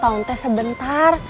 dua tahun teh sebentar